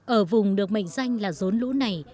ở vùng được mệnh danh là dốn lũ này